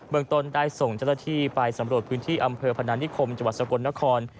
เมืองต้นได้ส่งเจ้าหน้าที่ไปสำรวจพื้นที่อำเภอพนานิคมจังหวัดสกลนคร